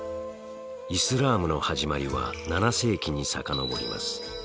イスラームの始まりは７世紀に遡ります。